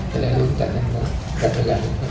จะได้รู้จักอย่างนี้เนี้ย